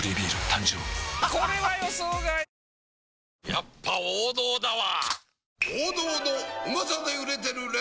やっぱ王道だわプシュ！